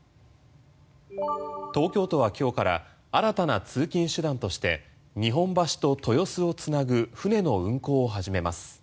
東京都は今日から新たな通勤手段として日本橋と豊洲を繋ぐ船の運航を始めます。